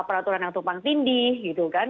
peraturan yang tumpang tindih gitu kan